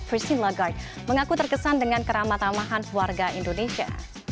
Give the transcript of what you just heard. christine lagarde mengaku terkesan dengan keramatan mahan warga indonesia